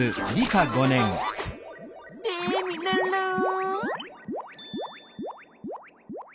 テミルンルン！